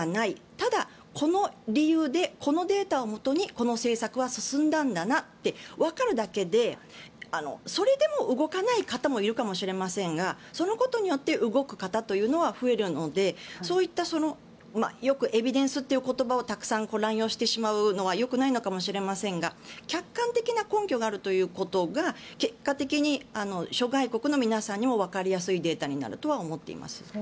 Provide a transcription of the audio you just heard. ただ、この理由でこのデータをもとにこの政策は進んだんだなとわかるだけでそれでも動かない方もいるかもしれませんがそのことによって動く方というのは増えるのでそういったよくエビデンスという言葉をたくさん乱用してしまうのはよくないのかもしれませんが客観的な根拠があるということが結果的に諸外国の皆さんにもわかりやすいデータになるとは思っています。